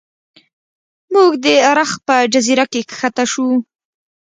موږ د رخ په جزیره کې ښکته شو.